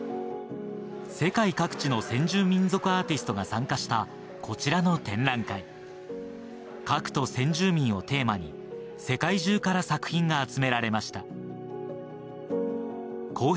世界各地の先住民族アーティストが参加したこちらの展覧会、「核と先住民」をテーマに世界中から作品が集められました。